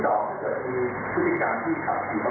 ก็ต้องดูแลเทปนี้นะครับ